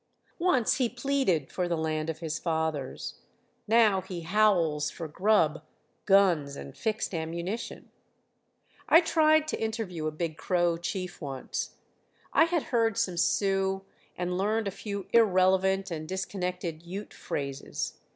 Once he pleaded for the land of his fathers. Now he howls for grub, guns and fixed ammunition. I tried to interview a big Crow chief once. I had heard some Sioux, and learned a few irrelevant and disconnected Ute phrases.